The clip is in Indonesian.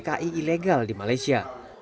di tki ilegal di malaysia